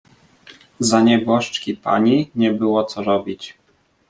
"Za nieboszczki pani, nie było co robić."